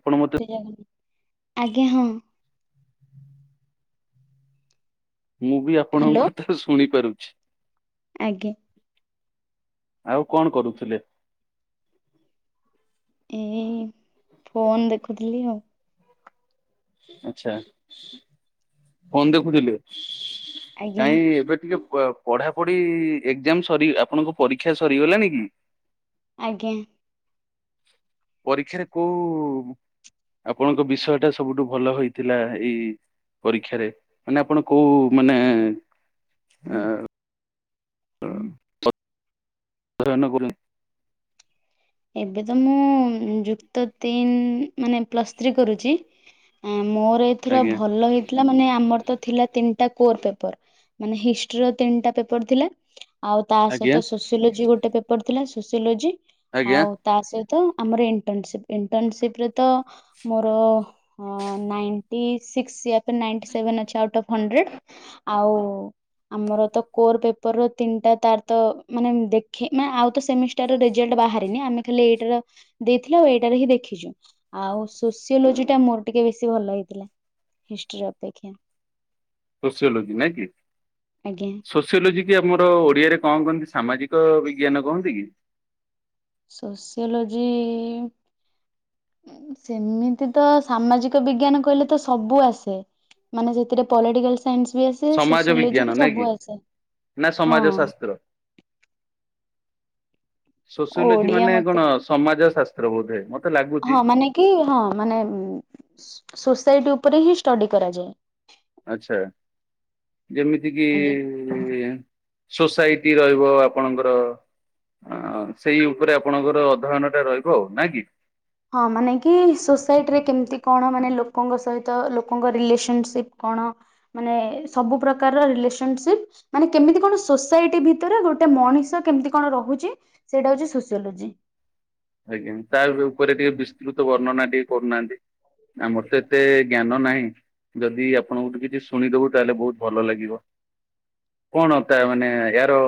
ଆପଣ ମତେ ଜୟ ଆଜ୍ଞା ହଁ। ମୁଁ ବି ଆପଣଙ୍କ ହ୍ୟାଲୋ କଥାକୁ ଶୁଣି ପାରୁଛି। ଆଜ୍ଞା। ଆଉ କଣ କରୁଥିଲେ? ଏଇ ଫୋନ ଦେଖୁଥିଲି ଆଉ ଆଛା କଣ ଦେଖୁଥିଲେ ଆଜ୍ଞା କାଇଁ ଏବେ ଟିକେ ପଢାପଢି ଏକ୍ସାମ ସରି ଆପଣଙ୍କ ପରୀକ୍ଷା ସରିଗଲାଣିି କି? ଆଜ୍ଞା। ପରୀକ୍ଷାରେ କୋଉ ଆପଣଙ୍କ ବିଷୟଟା ସବୁଠୁ ଭଲ ହେଇଥିଲା। ଏଇ ପରୀକ୍ଷାରେ ମାନେ ଆପଣ କୋଉ ମାନେ ଆ [unintelligible] ଏବେ ତ ମୁଁ ଯୁକ୍ତ ତିନ ମାନେ ପ୍ଲସ୍ ଥ୍ରୀ କରୁଛି। ଏ ମୋର ଏଥର ଆଜ୍ଞା ଭଲ ହେ ଥିଲା ମାନେ ଆମର ତ ଥିଲା ତିନିଟା କୋର ପେପର ମାନେ ହିଷ୍ଟିର ତିନିଟା ପେପର ଥିଲା। ଆଉ ତା ଆଜ୍ଞା ସହିତ ସୋସିଓଲୋଜି ଗୋଟେ ପେପର ଥିଲା ସୋସିଓଲୋଜି। ଆଜ୍ଞା ଆଉ ତା ସହିତ ଆମର ଇଣ୍ଟନର୍ସିପ ଇଣ୍ଟର୍ନସିପ ରେ ତ ମୋର ନାଇନ୍ଟି ସିକ୍ସ ୟା ତ ନାଇନ୍ଟି ସେଭେନ ଅଛି ଆଉଟଅପ ହଣ୍ଡ୍ରେଡ଼୍। ଆଉ ଆମର ତ କୋର ପେପର ର ତିନିଟା ତାର ତ ମାନେ ଦେଖେ ମାନେ ଆଉ ତ ସେମିଷ୍ଟାର ରେଜଲ୍ଟ ବାହା ନି ଆମେ ଖାଲି ଏଇଟାର ଦେଇଥିଲୁ ଆଉ ଏଇଟାର ହିଁ ଦେଖିଛୁ। ଆଉ ସୋସିଓଲୋଜି ଟା ମୋର ଟିକେ ବେଶୀ ଭଲ ହେଇଥିଲା ହିଷ୍ଟ୍ରି ଅପେକ୍ଷା। ସୋସିଓଲୋଜି ନାଇଁ କି ଆଜ୍ଞା। ସୋ ସିଓଲୋଜି କି ଆମର ଓଡ଼ିଆରେ କଣ କହନ୍ତି ସାମାଜିକ ବିଜ୍ଞାନ କହନ୍ତି କି? ସୋସିଓଲୋଜି ସେମିତି ତ ସାମାଜିକ ବିଜ୍ଞାନ କହିଲେ ତ ସବୁ ଆସେ। ମାନେ ସେଥିରେ ପଲିଟିକାଲ ସାଇନ୍ସ ବି ଆସେ। ସମାଜ ସୋସିଓଲୋଜି ବିଜ୍ଞାନ ବି ନାଇଁ କି ସବୁ ଆସେ ନା ହଁ। ସମାଜ ଶାସ୍ତ୍ର? ସୋସିଓଲୋଜି ଓଡିଆ ମାନେ ମତେ କଣ ସମାଜ ଶାସ୍ତ୍ର ବୋଧେ? ମ ହଁ ମାନେ କି ହଁ ମାନେ ସୋସାଇଟି ଉପରେ ହିଁ ଷ୍ଟଡି କରାଯାଏ। ଆଚ୍ଛା ଯେମିତି କିି ଆଜ୍ଞା। ଏ ସୋସାଇଟି ରହିବ ଆପଣଙ୍କର ଅ ସେଇ ଉପରେ ଆପଣଙ୍କର ଅଧ୍ୟୟନ ଟା ରହିବ ଆଉ ନା କି? ହଁ ମାନେ କି ସୋସାଇଟିରେ କେମିତି କଣ ମାନେ ଲୋକଙ୍କ ସହିତ ଲୋକଙ୍କ ରିଲେସନସିପ୍ କଣ? ମାନେ ସବୁ ପ୍ରକାରର ରିଲେସନସିପ୍ ମାନେ କେମିତି କଣ ସୋସାଇଟି ଭିତରେ ଗୋଟେ ମଣିଷ କେମିତି କଣ ରହୁଛି? ସେଇଟା ହଉଚି ସୋସିଓଲୋଜି। ଆଜ୍ଞା ତା ଉପରେ ଟିକେ ବିସ୍ତୃତ ବର୍ଣ୍ଣନା ଟିକେ କରୁନାହାନ୍ତି। ଆମର ତ ଏତେ ଜ୍ଞାନ ନାହିଁ ଯଦି ଆପଣଙ୍କୁଠୁ କିଛି ଶୁଣିଦବୁ ତାହେଲେ ବହୁତ ଭଲ ଲାଗିବ। କଣ ତା ମାନେ ଏଆର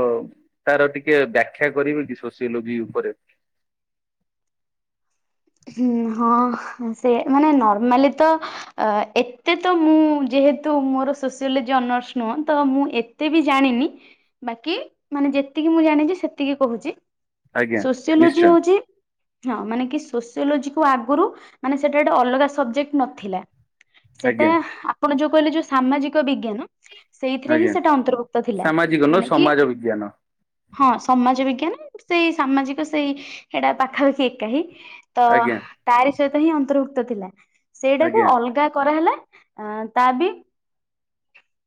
ତାର ଟିକେ ବ୍ୟାଖ୍ୟା କରିବେ କି ସୋସିଓଲୋଜି ଉପରେ। ହୁଁ ହଁ ସେ ମାନେ ନର୍ମାଲି ତ ଅ ଏତେ ତ ମୁଁ ଯେହେତୁ ମୋର ସୋସିଓଲୋଜି ଅନର୍ସ ନୁହଁ ତ ମୁଁ ଏତେ ବି ଜାଣିନି ବାକି ମାନେ ଯେତିକି ମୁଁ ଜାଣିଛି ସେତିକି କହୁଛି ଆଜ୍ଞା ସୋସିଓଲୋଜି ନିଶ୍ଚୟ ହଉଛି ହଁ ମାନେ କି ସୋସିଓଲୋଜି କୁ ଆଗରୁ ମାନେ ସେଟା ଗୋଟେ ଅଲଗା ସବଜେକ୍ଟ ନଥିଲା। ସେଟା ଆଜ୍ଞା ଆପଣ ଯୋଉ କହିଲେ ଯୋଉ ସାମାଜିକ ବିଜ୍ଞାନ ସେଇଥିରେ ହିଁ ଆଜ୍ଞା। ସେଟା ଅନ୍ତର୍ଭୁକ୍ତ ଥିଲା ସାମାଜିକ ନୁହଁ ମାନେ କି ସମାଜ ବିଜ୍ଞାନ ହଁ ସମାଜ ବିଜ୍ଞାନ ସେଇ ସାମାଜିକ ସେଇ ସେଇଟା ପାଖାପାଖି ଏକା ହିଁ। ତ ଆଜ୍ଞା ତାରି ସହିତ ହିଁ ଅନ୍ତର୍ଭୁକ୍ତ ଥିଲା ସେଇଟାକୁ ଆଜ୍ଞା। ଅଲଗା କରାହେଲା ଆ ତା ବି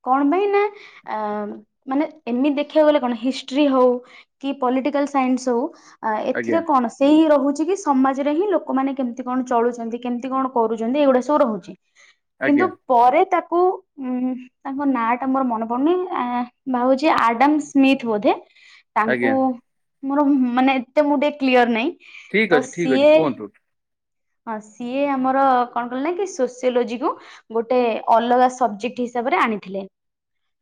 କଣ ପାଇଁ ନା ଅ ମାନେ ଏମିତି ଦେଖିବାକୁ ଗଲେ କଣ ହିଷ୍ଟ୍ରି ହଉ କି ପଲିଟିକାଲ ସାଇନ୍ସ ହଉ ଆଜ୍ଞା ଏଥିରେ କଣ ସେଇ ରହୁଛି କି ସମା ରେ ହିଁ ଲୋକମାନେ କେମିତି କଣ ଚଳୁଛନ୍ତି କେମିତି କଣ କରୁଛନ୍ତି ଏଇଗୁଡା ସବୁ ରହୁଛି। କିନ୍ତୁ ଆଜ୍ଞା ପରେ ତାକୁ ଉଁ ତାଙ୍କ ନାଁ ଟା ମୋର ମନେ ପଡୁନି ଭାବୁଛି ଆଡମ ସ୍ମିଥ୍ ବୋଧେ ତାଙ୍କୁ ଆଜ୍ଞା ମୋର ମୁ ମାନେ ଏତେ ମୁଁ ଟିକେ କ୍ଲିୟର ନାଇଁ। ଠିକ ଅଛି ଠିକ୍ ଅଛି କୁହନ୍ତୁ। ହଁ ସିଏ ଆମର କଣ କଲେ ନା କି ସୋସିଓଲୋଜି କୁ ଗୋଟେ ଅଲଗା ସବଜେକ୍ଟ ହିସାବରେ ଆଣିଥିଲେ।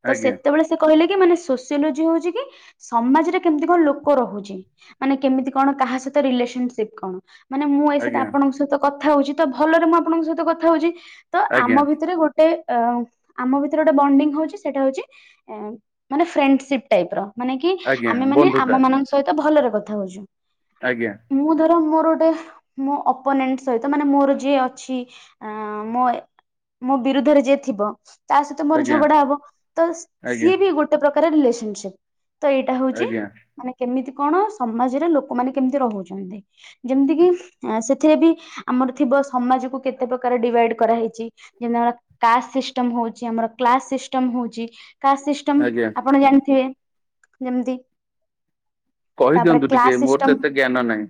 ତ ଆଜ୍ଞା ସେତେବେଳେ ସେ କହିଲେ କି ମାନେ ସୋସିଓଲୋଜି ହଉଛି କି ସମାଜରେ କେମିତି କଣ ଲୋକ ରହୁଚି। ମାନେ କେମିତି କଣ କାହା ସହିତ ରିଲେସନସିପ୍ କଣ? ମାନେ ମୁଁ ଏଇ ସେତା ଆଜ୍ଞା ଆପଣଙ୍କ ସହିତ କଥା ହୋଉଚି ତ ଭଲରେ ମୁଁ ଆପଣଙ୍କ ସହିତ କଥା ହୋଉଚି। ତ ଆଜ୍ଞା ଆମ ଭିତରେ ଗୋଟ ଟେ ଅ ଆମ ଭିତରେ ଗୋଟେ ବଣ୍ଡିଙ୍ଗ ହଉଛି ସେଇଟା ହଉଛି ମାନେ ଫ୍ରେଣ୍ଡସିପ ଟାଇପ୍ ର। ମାନେ କି ଆଜ୍ଞା ଆମେ ମାନେ ବନ୍ଧୁତା ଆମ ମାନଙ୍କ ସହିତ ଭଲରେ କଥା ହୋଉଚୁ। ଆଜ୍ଞା ମୁଁ ଧର ମୋର ଗୋଟେ ମୋ ଅ ଓପନିୟନ ସହିତ ମାନେ ମୋର ଯିଏ ଅଛି ଅଁ ମୋ ଏ ମୋ ବିରୁଦ୍ଧରେ ଯିଏ ଥିବ। ତା ସହିତ ମୋର ଆଜ୍ଞା ଝଗଡା ହବ। ତ ଆଜ୍ଞା ସିଏ ବି ଗୋଟେ ପ୍ରକାର ରିଲେସନସିପ୍। ତ ଏଇଟା ହୋଉଚି ଆଜ୍ଞା ମାନେ କେମିତି କଣ ସମାଜରେ ଲୋକମାନେ କେମିତି ରହୁଛନ୍ତି। ଯେମିତି କିି ସେ ଥେ ବି ଆମର ଥିବ ସମାଜକୁ କେତେ ପ୍ରକାର ଡିଭାଇଡ କରାହେଇଚି। ଯେମିତି ଆମ କାଷ୍ଟ ସିଷ୍ଟମ ହୋଉଚି ଆମର କ୍ଲାସ ସିଷ୍ଟମ ହୋଉଚି। କାଷ ସି ଷ୍ଟମ୍ ଆଜ୍ଞା ଆପଣ ଜାଣିଥିବେ। ଯେମତି କହିଦିଅନ୍ତୁ ଟିକେ ମୋର ତ ଏତେ ଜ୍ଞାନ ନାହିଁ।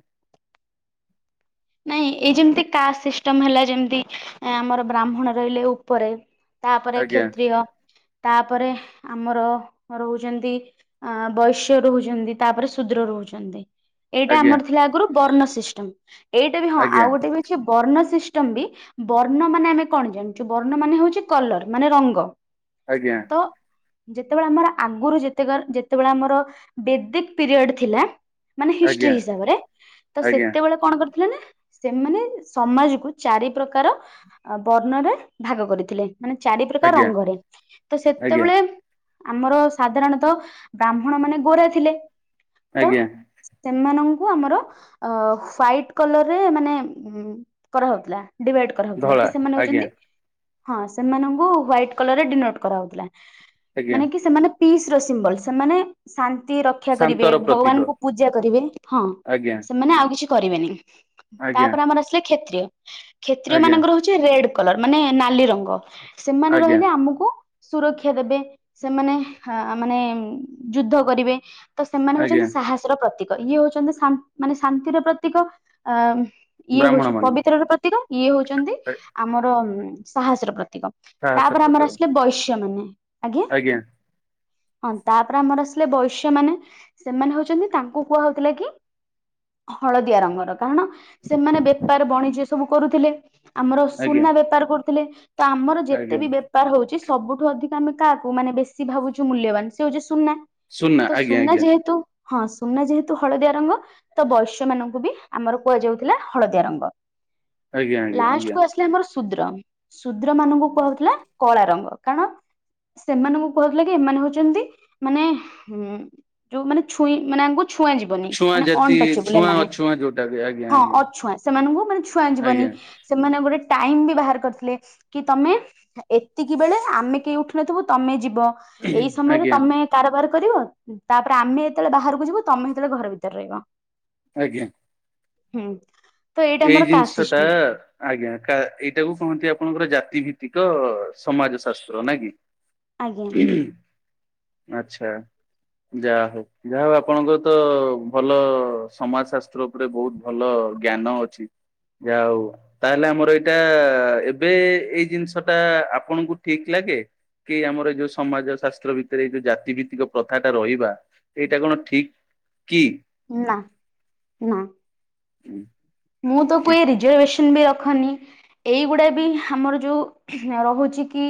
ନାଇଁ ଏଇ ଯେମିତି କାଷ୍ଟ ସିଷ୍ଟମ ହେଲା ଯେମିତି ଆମର ବ୍ରାହ୍ମଣ ରହିଲେ ଉପରେ। ତାପରେ ଆଜ୍ଞା କ୍ଷେତ୍ରିୟ ତାପରେ ଆମର ରହୁଚନ୍ତି ଅ ବୈଶ୍ୟ ରହୁଛନ୍ତି ତାପରେ ଶୂଦ୍ର ରହୁଛନ୍ତି। ଏଇଟା ଆଜ୍ଞା ଆମର ଥିଲା ଆଗରୁ ବର୍ଣ୍ଣ ସିଷ୍ଟମ। ଏଇଟା ବି ହଁ ଆଜ୍ଞା ଆଉ ଗୋଟେ ବି ଅଛି ବର୍ଣ୍ଣ ସିଷ୍ଟମ ବି ବର୍ଣ୍ଣ ମାନେ ଆମେ କଣ ଜାଣିଚୁ ବର୍ଣ୍ଣ ମାନେ ହେଉଚି କଲର ମାନେ ରଙ୍ଗ। ଆଜ୍ଞା ତ ଯେତେବେଳେ ଆମର ଆଗୁରୁ ଯେତେକାର ଯେତେବେଳେ ଆମର ବେଦିକ ପିରିୟଡ ଥିଲା ମାନେ ହିଷ୍ଟ୍ରି ଆଜ୍ଞା ହିସାବରେ ତ ଆଜ୍ଞା ସେତେବେଳେ କଣ କର ଥିଲେ ନା ସେମାନେ ସମାଜ କୁ ଚାରି ପ୍ରକାର ଅ ବର୍ଣ୍ଣରେ ଭାଗ କରିଥିଲେ। ମାନେ ଚାରି ପ୍ରକାର ଆଜ୍ଞା ରଙ୍ଗରେ ତ ଆଜ୍ଞା ସେତେବେଳେ ଆମର ସାଧାରଣତଃ ବ୍ରାହ୍ମଣ ମାନେ ଗୋରା ଥିଲେ। ତ ଆଜ୍ଞା ସେମାନଙ୍କୁ ଆମର ଅ ହ୍ୱାଇଟ୍ କଲରରେ ମାନେ ଉଁ କରାହୋଉଥିଲା ଡିଭାଇଡ କରାହୋଉଥିଲା କି ଧଳା ସେମାନେ ଆଜ୍ଞା ହୋଉଚନ୍ତି ହଁ ସେମାନଙ୍କୁ ହ୍ୱାଇଟ୍ କଲର୍ ରେ ଡିନୋଟ୍ କରା ହେଉଥିଲା ଆଜ୍ଞା ମାନେ କି ସେମାନେ ପିସ ର ସିମ୍ବଲ। ସେମାନେ ଶାନ୍ତିର ରକ୍ଷା କରିବେ ଶାନ୍ତର ପ୍ରତୀକ ଭଗବାନଙ୍କୁ ପୂଜା କରିବେ ହଁ ଆଜ୍ଞା ସେମାନେ ଆଉ କିଛି କରିବେନି। ଆଜ୍ଞା ତାପରେ ଆମର ଆସିଲେ କ୍ଷେତ୍ରୀୟ କ୍ଷେତ୍ରୀୟ ଆଜ୍ଞା ମାନଙ୍କର ହୋଉଚି ରେଡ କଲର ମାନେ ନାଲି ରଙ୍ଗ ସେମାନେ ଆଜ୍ଞା ରହିଲେ ଆମକୁ ସୁରକ୍ଷା ଦେବେ। ସେମାନେ ଅ ମାନେ ଯୁଦ୍ଧ କରିବେ। ତ ସେମାନେ ଆଜ୍ଞା ହୋଉଚନ୍ତି ସାହସର ପ୍ରତୀକ ଇଏ ହୋଉଚନ୍ତି ଶାନ୍ତ୍ ମାନେ ଶାନ୍ତିର ପ୍ରତୀକ ଅ ଇଏ ବ୍ରାହ୍ମଣ ହୋଉଛି ମାନେ ପବିତ୍ର ର ପ୍ରତୀକ ଇଏ ହଉଚନ୍ତି ଆମର ଅଁ ସାହସର ପ୍ରତୀକ। ସାହସ ତାପରେ ପତ୍ର ଆମର ଆସିଲେ ବୈଶ୍ୟ ମାନେ ଆଜ୍ଞ ଆଜ୍ଞା ହଁ ତାପରେ ଆମର ଆସିଲେ ବୈଶ୍ୟ ମାନେ ସେମାନେ ହଉଛନ୍ତି ତାଙ୍କୁ କୁହା ହଉଥିଲା କି ହଳଦିଆ ରଙ୍ଗର। କାରଣ ସେମାନେ ବେପାର ବଣିଜ୍ୟ ସବୁ କରୁଥିଲେ ଆମର ଆଜ୍ଞା ସୁନା ବେପାର କରୁଥିଲେ। ତ ଆମର ଯେତେ ଆଜ୍ଞା ବି ବେ ବେପାର ହଉଛି ସବୁଠୁ ଅଧିକ ଆମେ କାହାକୁ ମାନେ ବେଶୀ ଭାବୁଛୁ ମୂଲ୍ୟବାନ ସେ ହଉଛି ସୁନା। ତ ଆଜ୍ଞା ସୁନା ଆଜ୍ଞା ଯେହେତୁ ହଁ ସୁନା ଯେହେତୁ ହଳଦିଆ ରଙ୍ଗ ତ ବୈଶ୍ୟ ମାନଙ୍କୁ ବି ଆମର କୁହାଯାଉଥିଲା ହଳଦିଆ ରଙ୍ଗ ଆଜ୍ଞା ଆଜ୍ଞା ଆଜ୍ଞା ଲାଷ୍ଟକୁ ଆ ସିଲେ ଆମର ଶୁଦ୍ର ଶୂଦ୍ର ମାନଙ୍କୁ କୁହା ହଉଥିଲା କଳା ରଙ୍ଗ କାରଣ ସେମାନଙ୍କୁ କୁହା ହଉଥିଲା କି ଏମାନେ ହଉଛନ୍ତି ମାନେ ଉଁ ଯୋଉ ମାନେ ଛୁଇଁ ମାନେ ଆମ ଛୁଆଁ ଯିବନି ଛୁଆଁ ମାନେ ଜାତି ଅନଟଚେବଲ ଏମାନେ। [unintelligible] ହଁ ଅଛୁଆଁ ସେମାନଙ୍କୁ ମାନେ ଛୁଆଁ ଯିବନି। ଆଜ୍ଞା। ସେମାନେ ଗୋଟେ ଟାଇମ ବି ବାହାର କରିଥିଲେ କି ତମେ। ଏତିକି ବେଳେ ଆମେ କେହି ଉଠିନଥିବୁ ତମେ ଯିବ ଏଇ ଆଜ୍ଞା ସମୟରେ ଆଜ୍ଞା ତମେ। କାରବାର କରିବ ତାପରେ ଆମେ ଯେତେବେଳେ ବାହାରକୁ ଯିବୁ ତମେ ସେତେବେଳେ ଘର ଭିତରେ ରହିବ। ଆଜ୍ଞା। ହୁଁ। ତ ଏଇଟା ଏଇ ଆମର କାଷ୍ଟ ଜିନିଷ ଟା। ସିଷ୍ଟମ ଆଜ୍ଞା କା ଏଇଟାକୁ କହନ୍ତି ଆପଣଙ୍କର ଜାତି ଭିତ୍ତିକ ସମାଜ ଶାସ୍ତ୍ର ନା କି? ଆଜ୍ଞା ଆଛା। ଯା ହଉ ଯାହା ହଉ ଆପଣଙ୍କର ତ ଭଲ ସମାଜ ଶାସ୍ତ୍ର ଉପରେ ବହୁତ ଭଲ ଜ୍ଞାନ ଅଛି ଯା ହଉ। ତାହେଲେ ଆମର ଏଇଟା ଏବେ ଏଇ ଜିନିଷ ଟା ଆପଣଙ୍କୁ ଠିକ୍ ଲାଗେ? କି ଆମର ଏଇ ଯୋଉ ସମାଜ ଶାସ୍ତ୍ର ଭିତରେ ଏଇ ଯୋଉ ଜାତି ଭିତ୍ତିକ ପ୍ରଥା ଟା ରହିବା। ଏଇଟା କଣ ଠିକ କି? ନା ନା। ମୁଁ ତ କୁହେ ରିଜର୍ଭେସନ ବି ରଖନି। ଏଇଗୁଡା ବି ଆମର ଯୋଉ ରହୁଛି କି।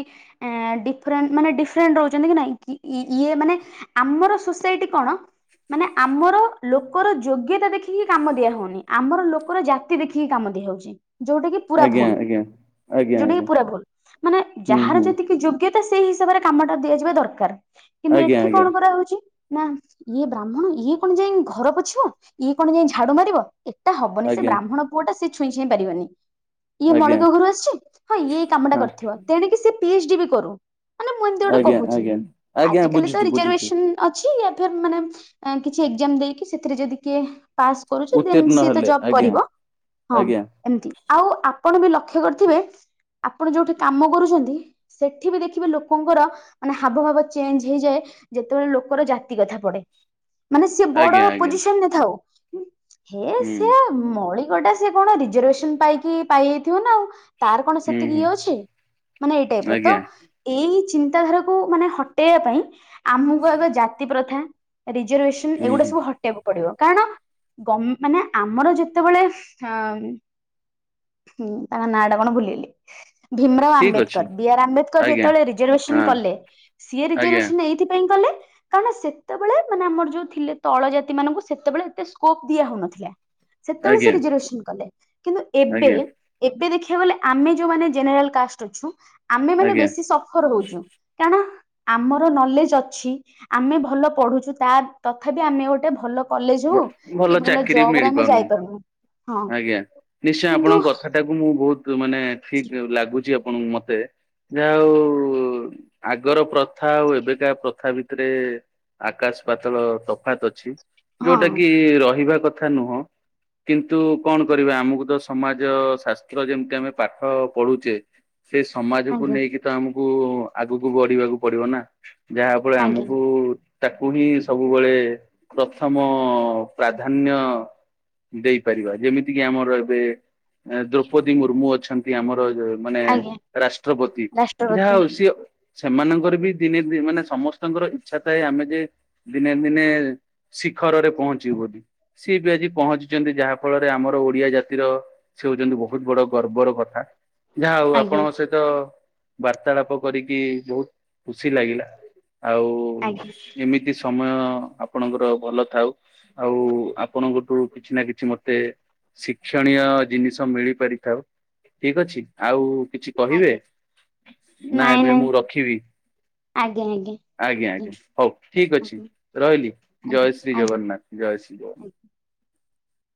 ଏଁ ଡିଫରେଣ୍ଟ ମାନେ ଡିଫରେଣ୍ଟ ରହୁଛନ୍ତି କି ନାହି କି ଇ ଇଏ ମାନେ। ଆମର ସୋସାଇଟି କଣ ମାନେ ଆମର ଲୋକର ଯୋଗ୍ୟତା ଦେଖିକି କାମ ଦିଆ ହଉନି ଆମର ଲୋ ଜାତି ଦେଖିକି କାମ ଦିଆ ହଉଛି ଯୋଉଟା କି ପୁରା ଆଜ୍ଞା ଭୁଲ ଆଜ୍ଞା ଆଜ୍ଞା ଯୋଉଟା ଆଜ୍ଞା କି ପୁରା ଭୁଲ ମାନେ ହୁଁ ଯାହାର ହୁଁ ଯେତିକି ଯୋ ଗ୍ୟତା ସେଇ ହିସାବରେ କାମଟା ଦିଆଯିବା ଦରକାର କିନ୍ତୁ ଆଜ୍ଞା ଏଠି କଣ କରା ହଉଛି। ନା ଇଏ ବ୍ରାହ୍ମଣ ଇଏ କଣ ଯାଇ ଘର ପୋଛିବ ଇଏ କଣ ଯାଇ ଝାଡୁ ମାରିବ ଏଟା ହବ ସେ ଆଜ୍ଞା ଆଜ୍ଞା ବ୍ରାହ୍ମଣ ପୁଅ ଟା ସେ ଛୁଇଁ ଛାଇଁ ପାରିବନି। ଇଏ ଆଜ୍ଞା ମଳିକ ଘରୁ ଆସିଛି ହଁ ଇଏ ଏଇ କାମ ଟା ହଁ କରିଥିବ ତେଣିକି ସିଏ ପି ଏଚ ଡି ବି କରୁ। ମାନେ ମୁଁ ଏମିତି ଗୋଟେ ଆଜ୍ଞା କହୁଛି ଆଜ୍ଞା ଆଜ୍ଞା ଆଜିକାଲି ତ ବୁଝୁଛି ବୁଝୁଛି ରିଜର୍ଭେସନ ଅଛି ୟା ଫିର୍ ମାନେ କିଛି ଏକ୍ଜାମ ଦେଇକି ସେଥିରେ ଯଦି କିଏ। ପାସ୍ କରୁଛି ଦେନ୍ ଉତ୍ତୀର୍ଣ୍ଣ ସିଏ ତ ହେଲେ ଜବ ଆଜ୍ଞା କରିବ ହଁ। ଆଜ୍ଞା ଏମତି ଆଉ ଆପଣ ବି ଲକ୍ଷ୍ୟ କରିଥିବେ ଆପଣ ଯୋଉଠି କାମ କରୁଛନ୍ତି। ସେଠି ବି ଦେଖିବେ ଲୋକଙ୍କର। ମାନେ ହାବ ଭାବ ଚେଞ୍ଜ ହେଇଯାଏ ଯେତେବେଳେ ଲୋକର ଜାତି କଥା ପଡେ। ମାନେ ସିଏ ବଡ ଆଜ୍ଞା ଆଜ୍ଞା ପୋଜିସନ୍ ରେ ଥାଉ ହେ ହୁଁ ସେ ମଳିକ ଟା ସେ କଣ ରିଜରଭେସନ ପାଇକି ପାଇଯାଇଥିବ ନା ଆଉ। ତାର କଣ ହୁଁ ସେତିକି ହୁଁ ଇଏ ଅଛି ମାନେ ଏଇ ଟାଇପର ତ ଆଜ୍ଞା ଏଇ ଚିନ୍ତାଧାରାକୁ ମାନେ ହଟେଇବା ପାଇଁ ଆମକୁ ଆଗ ଜାତି ପ୍ରଥା ରିଜର୍ଭେସନ ହୁଁ ଏଗୁଡା ହୁଁ ସବୁ ହଟେଇବାକୁ ପଡିବ କାରଣ ମାନେ ଗ ଆମର ଯେ ସେତେବେଳେ ଅ ଉଁ ତାଙ୍କ ନାଟା କଣ ଭୁଲିଗଲି। ଭୀମରାଓ ଠିକ ଅଛି ଆମ୍ବେଦକର ବି ଆର୍ ଆମ୍ବେଦକର ଆଜ୍ଞା ଯେତେବେଳେ ରିଜର୍ଭେସନ ହଁ କଲେ। ସିଏ ଆଜ୍ଞା ରିଜର୍ଭସନ ଏଇଥିପାଇଁ କଲେ କାରଣ ସେତେବେଳେ ମାନେ ଆମର ଯୋଉ ଥିଲେ ତଳ ଜାତି ମାନଙ୍କୁ ସେତେବେଳେ ଏତେ ସ୍କୋପ ଦିଆ ହଉନଥିଲା। ସେତେବେଳେ ସେ ଆଜ୍ଞା ରିଜରଭେସନ କଲେ କିନ୍ତୁ ଏବେ ଆଜ୍ଞା ଏବେ ଦେଖିବାକୁ ଗଲେ ଆମେ ଯୋଉମାନେ ଜେନେରାଲ କାଷ୍ଟ ଅଛୁ ଆମେ ମାନେ ଆଜ୍ଞା ବେଶୀ ସଫର ହଉଛୁ। କାରଣ ଆମର ନଲେଜ ଅଛି। ଆମେ ଭଲ ପଢୁଛୁ ତା ତଥାପି ଆମେ ଗୋଟେ ଭଲ କଲେଜ ହଉ କି ଭଲ ଚାକିରି ଜବ ରେ ଆମେ ମିଳିପାରୁନି ଯାଇପାରୁନୁ ହଁ କିନ୍ତୁ ସେଟାକୁ ମୁଁ ବହୁତ ମାନେ ଠିକ ଲାଗୁଛି ଆପଣଙ୍କୁ ମତେ ଯାହା ହଉ ଆଗର ପ୍ରଥା ଆଉ ଏବେକା ପ୍ରଥା ଭିତରେ ଆକାଶ ପାତଳ ତଫାତ ଅଛି। ହଁ ଯୋଉଟା କି ରହିବା କଥା ନୁହଁ। କିନ୍ତୁ କଣ କରିବା ଆମକୁ ତ ସମାଜ ଶାସ୍ତ୍ର ଯେମିତି ଆମେ ପାଠ ପଢୁଛେ ସେ ସମାଜକୁ ଆଜ୍ଞା। ନେଇକି ତ ଆମକୁ ଆଗକୁ ବଢିବାକୁ ପଡିବ ନା। ଯାହା ଫଳ ଆଜ୍ଞା ଆମକୁ ତାକୁ ହିଁ ସବୁବେଳେ ପ୍ରଥମ ପ୍ରାଧାନ୍ୟ ଦେଇପାରିବା ଯେମିତିକି ଆମର ଏବେ ଦ୍ରୌପଦୀ ମୁର୍ମୁ ଅଛନ୍ତି। ଆମର ମାନେ ଆଜ୍ଞା ରାଷ୍ଟ୍ରପତି ଯାହା ରାଷ୍ଟ୍ରପତି ହଉ ସିଏ ସେମାନଙ୍କର ବି ଦିନେ ଦ ମାନେ ସମସ୍ତଙ୍କର ଇଚଛା ଥାଏ ଆମେ ଯେ ଦିନେ ଦିନେ ଶିଖରରେ ପହଞ୍ଚିବୁ ବୋଲି ସିଏ ବି ଆଜି ପହଞ୍ଚିଛନ୍ତି ଯାହା ଫଳରେ ଆମର ଓଡିଆ ଜାତିର ସେ ହଉଛନ୍ତି ବହୁତ ବଡ ଗର୍ବର କଥା ଯାହା ହଉ ଆଜ୍ଞା ଆପଣ ସେ ର ବାର୍ତ୍ତାଳାପ କରିକି ବହୁତ ଖୁସି ଲାଗିଲା ଆଉ ଆଜ୍ଞା [unintelligible] ଏମିତି ସମୟ ଆପଣଙ୍କର ଭଲ ଥାଉ ଆଉ ଆପଣଙ୍କଠୁ କିଛି ନା କିଛି ମତେ ଶିକ୍ଷଣୀୟ ଜିନିଷ ମିଳି ପାରିଥାଉ ଠିକ୍ ଅଛି ଆଉ କିଛି କହିବେ ଆଜ୍ଞା ନା ନାଇଁ ଏବେ ନାଇଁ ମୁଁ ରଖିବି। ଆଜ୍ଞା ଆଜ୍ଞା। ଆଜ୍ଞା ଆଜ୍ଞା ହଉ ଠିକ ଅଛି ଆଜ୍ଞା ରହିଲି ଆଜ୍ଞା ଜୟ ଶ୍ରୀ ଆଜ୍ଞା ଜଗନ୍ନାଥ ଜୟ ଶ୍ରୀ ଆଜ୍ଞା। ଜଗନ୍ନାଥ।